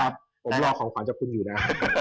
ผมรอของขวัญจากคุณอยู่นะ